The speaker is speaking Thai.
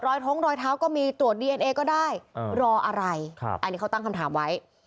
ท้องรอยเท้าก็มีตรวจดีเอ็นเอก็ได้รออะไรอันนี้เขาตั้งคำถามไว้